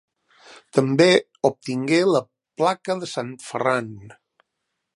També obtingué la placa de Sant Ferran.